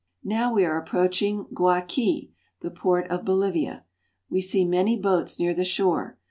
Now we are approaching Guaqui (gwa'ke), the port of Bolivia. We see many boats near the shore.